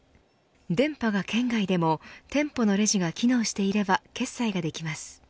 電波が圏外でも店舗のレジが機能していれば決済ができます。